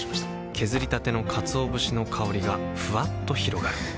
削りたてのかつお節の香りがふわっと広がるはぁ。